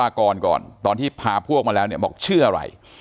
มาถามนายวรากรก่อนตอนที่พาพวกมาแล้วบอกเชื่ออะไร